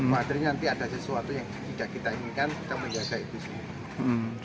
materi nanti ada sesuatu yang tidak kita inginkan kita menjaga itu semua